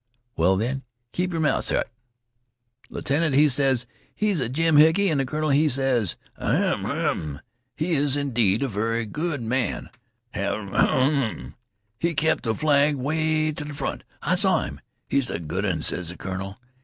Well, then, keep yer mouth shet. Th' lieutenant, he ses: 'He's a jimhickey,' an' th' colonel, he ses: 'Ahem! ahem! he is, indeed, a very good man t' have, ahem! He kep' th' flag 'way t' th' front. I saw 'im. He's a good un,' ses th' colonel.